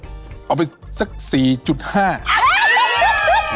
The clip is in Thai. เต็ม๕เนี่ยผมขายไป